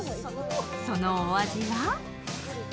そのお味は？